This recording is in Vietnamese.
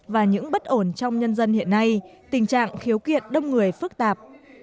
và những bất ổn trong nhân dân hiện nay tình trạng khiếu kiện đông người phức tạp